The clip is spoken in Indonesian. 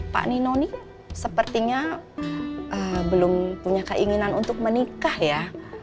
pak nino nih sepertinya belum punya keinginan untuk menikah ya